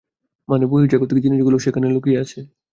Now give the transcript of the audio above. মানে, বহির্জাগতিক জিনিসগুলো সেখানেই লুকিয়ে আছে।